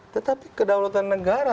tetapi kedaulatan negara